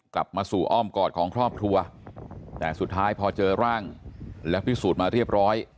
กลับมาสู่อ้อมกอดของครอบครัวแต่สุดท้ายพอเจอร่างและพิสูจน์มาเรียบร้อย